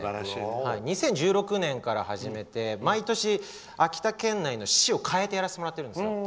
２０１６年から始めて、毎年秋田県内の市を変えてやらせてもらってるんです。